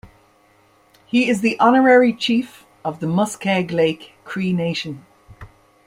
He is the Honorary Chief of the Muskeg Lake Cree Nation.